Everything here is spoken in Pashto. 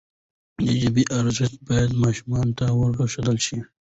د ژبي ارزښت باید ماشومانو ته وروښودل سي.